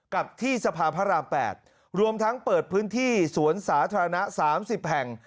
กับที่สภาพระราม๘รวมทั้งเปิดพื้นที่สวนสาธารณะ๓๐แห่ง